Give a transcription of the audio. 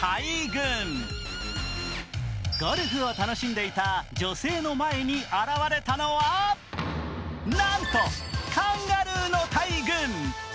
ゴルフを楽しんでいた女性の前に現れたのはなんとカンガルーの大群。